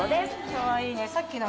かわいいね。